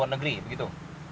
keluar negeri begitu